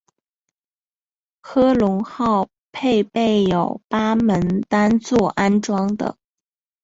科隆号配备有八门单座安装的。